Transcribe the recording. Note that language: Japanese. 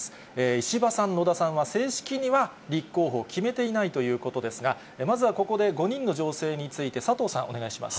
石破さん、野田さんは正式には立候補を決めていないということですが、まずはここで、５人の情勢について、佐藤さん、お願いします。